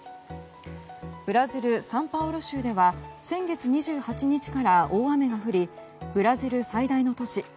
ブラジル・サンパウロ州では先月２８日から大雨が降りブラジル最大の都市